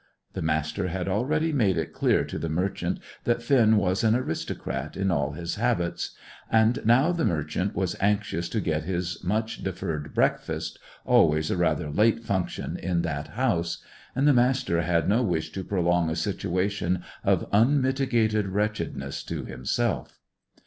The Master had already made it clear to the merchant that Finn was an aristocrat in all his habits. And now the merchant was anxious to get to his much deferred breakfast, always a rather late function in that house; and the Master had no wish to prolong a situation of unmitigated wretchedness to himself.